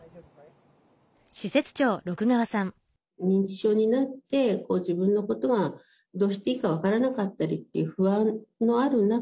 認知症になってご自分のことがどうしていいか分からなかったりという不安のある中で